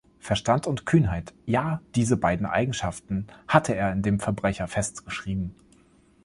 Verstand und Kühnheit – ja, diese beiden Eigenschaften hatte er in dem Verbrecher festgeschrieben.